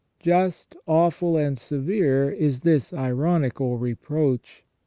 Just, awful, and severe is this ironical reproach.